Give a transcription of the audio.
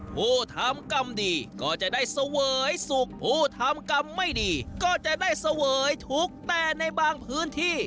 ผู้ทำกรรมดีก็จะได้เสวยสุขผู้ทำกรรมไม่ดีก็จะได้เสวยทุกข์แต่ในบางพื้นที่